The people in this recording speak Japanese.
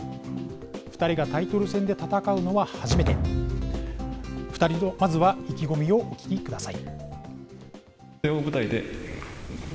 ２人がタイトル戦で戦うのは初めて。ではまずは意気込みをお聞きください。